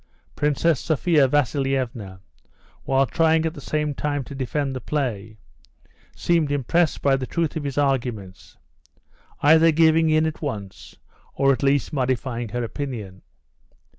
Princess Sophia Vasilievna, while trying at the same time to defend the play, seemed impressed by the truth of his arguments, either giving in at once, or at least modifying her opinion.